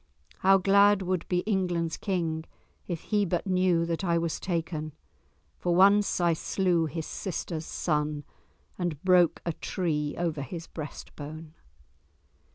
How glad would be England's King if he but knew that I was taken, for once I slew his sister's son and broke a tree over his breastbone."